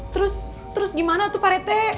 terus terus gimana tuh pak rete